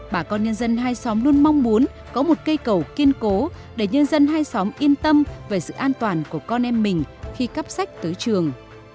bà con nhân dân hai xóm luôn mong muốn có một cây cầu kiên cố để nhân dân hai xóm yên tâm về sự an toàn của con em mình khi cắp sách tới trường